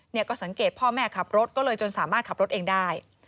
ก็สังเกตพ่อแม่ขับรถก็เลยจนสามารถขับรถเองได้